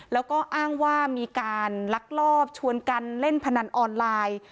แล้วก็อ้างว่ามีการลักลอบชวนกันเล่นพนันออนไลน์